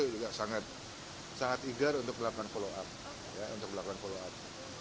sangat sangat sangat igar untuk melakukan follow up